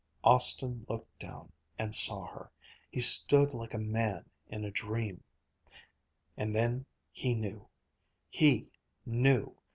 Austin looked down and saw her. He stood like a man in a dream. And then he knew. He knew.